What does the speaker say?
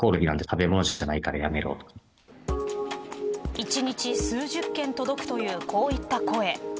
一日、数十件届くというこういった声。